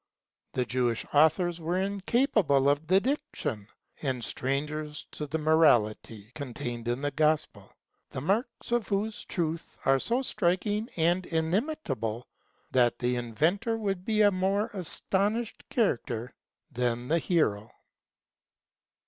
The Jewish authors were incapable of the diction, and strangers to the mo rality, contained in the Gospel, the marks of whose truth are so striking and inimitable, that the inventor would be a more aston ishing character than the hero.